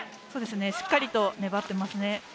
しっかりと粘っていますね。